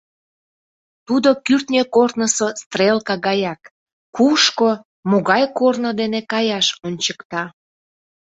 Тудо кӱртньӧ корнысо стрелка гаяк: кушко, могай корно дене каяш ончыкта.